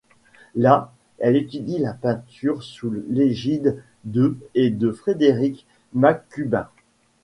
Là, elle étudie la peinture sous l'égide de et de Frederick McCubbin.